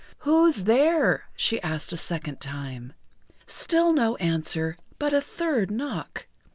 "Who's there?" she asked a second time. Still no answer, but a third knock.